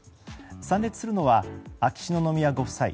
参列するのは秋篠宮ご夫妻